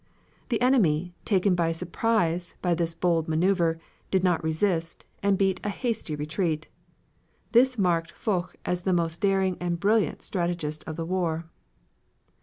The enemy, taken by surprise by this bold maneuver, did not resist, and beat a hasty retreat. This marked Foch as the most daring and brilliant strategist of the war.